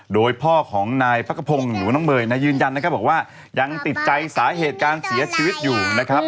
โดยพ่อของนายพระกระพงษ์หนูน้องเบยยืนยันบอกว่ายังติดใจสาเหตุการเสียชีวิตอยู่